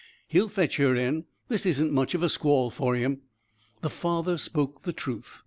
"He'll fetch her in. This isn't much of a squall for him!" The father spoke with truth.